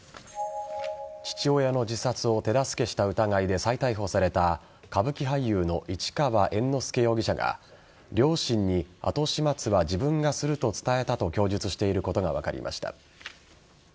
父親の自殺を手助けした疑いで再逮捕された歌舞伎俳優の市川猿之助容疑者が両親に後始末は自分がすると伝えたと供述していることが分かりました。